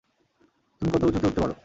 তুমি কত উচুতে উঠতে পারো?